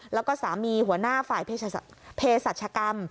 แล้วก็สามีหัวหน้าฝ่ายเพศรัชกรรม